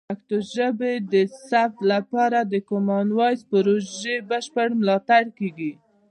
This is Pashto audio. د پښتو ژبې د ثبت لپاره د کامن وایس پروژې بشپړ ملاتړ کیږي.